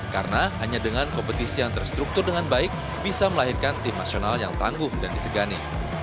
karena hanya dengan kompetisi yang terstruktur dengan baik bisa melahirkan tim nasional yang tangguh dan disegani